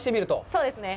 そうですね。